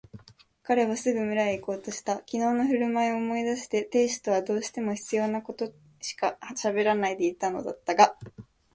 彼はすぐ村へいこうとした。きのうのふるまいを思い出して亭主とはどうしても必要なことしかしゃべらないでいたのだったが、